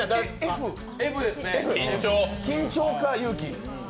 Ｆ、緊張か勇気。